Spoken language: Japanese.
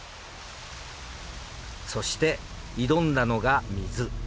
そして挑んだのが水。